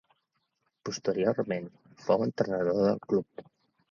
Posteriorment fou entrenador del club.